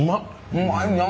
うまいな。